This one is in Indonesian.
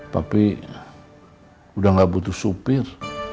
tapi udah gak butuh supir